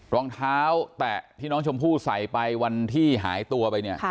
รองเท้าแตะที่น้องชมพู่ใส่ไปวันที่หายตัวไปเนี่ย